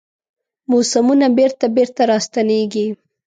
موسمونه بیرته، بیرته راستنیږي